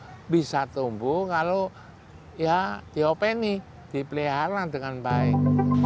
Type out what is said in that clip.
jadi penanaman yang sangat saya butuhkan kalau bisa penanaman mangrove itu juga tidak cuma nanam begitu saja harus dipelihara dengan baik